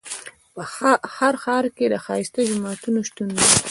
په هر ښار کې د ښایسته جوماتونو شتون دی.